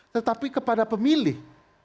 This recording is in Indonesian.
tetapi kepada pemilih